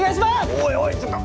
おいおいちょっと。